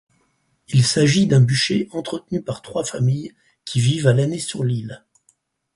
Il s'agit d'un bûcher entretenu par trois familles qui vivent à l'année sur l'île.